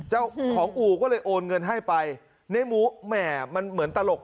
เจ้าของอู่ก็เลยโอนเงินให้ไปในหมูแหม่มันเหมือนตลก